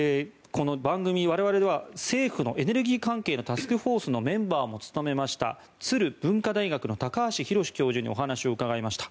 我々は政府のエネルギー関係のタスクフォースのメンバーも務めました都留文科大学の高橋洋教授にお話を伺いました。